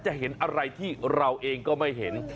จะเห็นอะไรที่เราเองก็ไม่เห็น